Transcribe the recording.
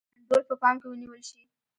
انډول په پام کې ونیول شي.